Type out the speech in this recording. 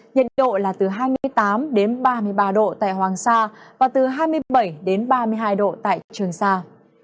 nhiệt độ là từ hai mươi tám ba mươi ba độ tại hoàng sa và từ hai mươi bảy đến ba mươi hai độ tại trường sa